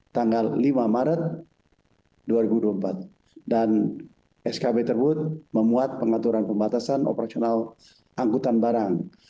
tanggal lima maret dua ribu dua puluh empat dan skb tersebut memuat pengaturan pembatasan operasional angkutan barang